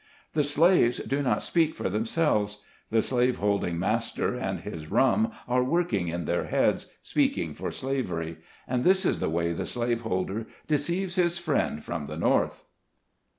The slaves do not speak for themselves. The slave holding master and his rum are working in their heads, speaking for slavery; and this is the way the slaveholder deceives his friend from the North.